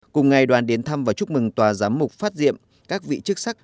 cùng ngày đoàn đến thăm và chúc mừng tòa giám mục phát diệm các vị chức sắc